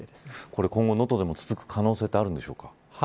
これ今後、能登でも続く可能性はあるんでしょうか。